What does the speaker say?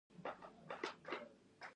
لمر یوه لویه ستوری ده